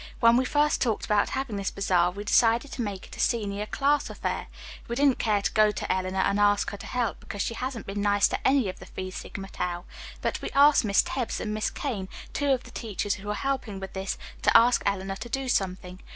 When we first talked about having this bazaar we decided to make it a senior class affair. We didn't care to go to Eleanor and ask her to help, because she hasn't been nice to any of the Phi Sigma Tau, but we asked Miss Tebbs and Miss Kane, two of the teachers who are helping with this, to ask Eleanor to do something.